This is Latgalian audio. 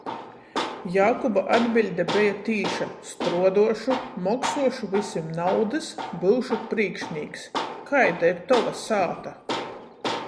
Jākuba atbiļde beja tīša. Struoduošu. Moksuošu vysim naudys. Byušu prīkšnīks. Kaida ir tova sāta?